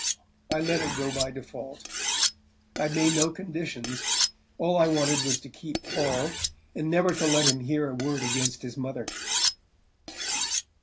I let it go by default I made no conditions all I wanted was to keep Paul, and never to let him hear a word against his mother!"